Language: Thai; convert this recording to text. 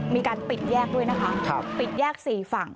มีการปิดแยกด้วยนะคะปิดแยก๔ฝั่ง